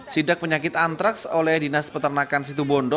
sidak penyakit antraks oleh dinas peternakan situ bondo